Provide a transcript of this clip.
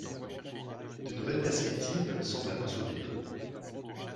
De nouvelles perspectives semblent alors s'ouvrir.